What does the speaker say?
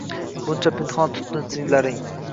Buncha pinhon tutding sirlaring